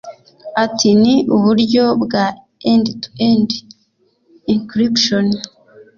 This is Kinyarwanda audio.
Ati “Ni uburyo bwa End to end encryption